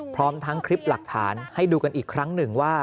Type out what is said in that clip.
พร้อมทั้งคลิปหลักฐานให้ดูกันอีกครั้งหนึ่งว่า